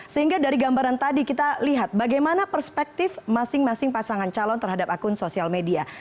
sehingga dari gambaran tadi kita lihat bagaimana perspektif masing masing pasangan calon terhadap akun sosial media